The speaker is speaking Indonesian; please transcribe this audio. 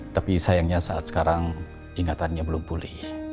tapi sayangnya saat sekarang ingatannya belum pulih